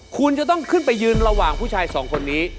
คุณจะต้องขึ้นไปยืนระหว่างผู้ชายสองคนนี้